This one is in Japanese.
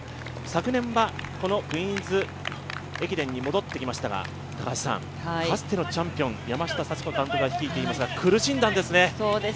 昨年はこのクイーンズ駅伝に戻ってきましたが、かつてのチャンピオン、山下佐知子監督が率いていましたが苦しんだんですね。